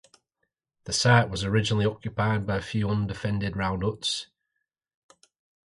The site was originally occupied by a few undefended round huts.